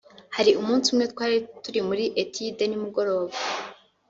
hari umunsi umwe twari muri études nimugoroba